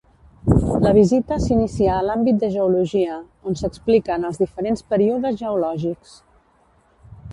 La visita s'inicia a l'àmbit de Geologia, on s'expliquen els diferents períodes geològics.